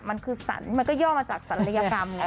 มันคือสรรมันก็ย่อมาจากศัลยกรรมไง